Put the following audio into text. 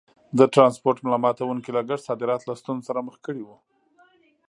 د ټرانسپورټ ملا ماتوونکي لګښت صادرات له ستونزو سره مخ کړي وو.